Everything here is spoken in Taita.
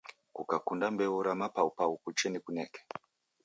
Kukakunda mbeu ra mapapau kuche nikuneke